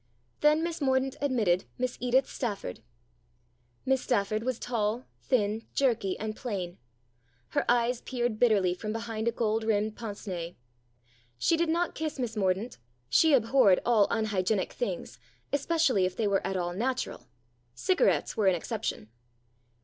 Then Miss Mordaunt admitted Miss Edith Stafford. Miss Stafford was tall, thin, jerky, and plain. Her eyes peered bitterly from behind a gold rimmed pince nez. She did not kiss Miss Mordaunt ; she abhorred all unhygienic things, especially if they were at all natural. Cigarettes were an exception.